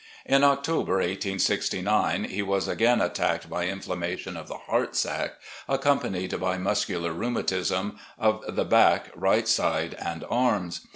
In October, 1869, he was again attacked by inflammation of the heart sac, accompanied by muscular rheumatism of the back, right side, and arms.